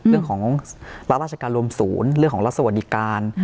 เรื่องของรับราชการรวมศูนย์เรื่องของรัฐสวัสดิการ